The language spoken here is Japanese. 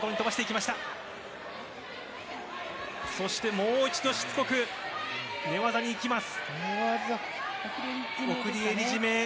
もう一度しつこく、寝技に行きます。